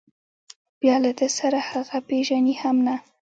بیا له ده سره هغه پېژني هم نه.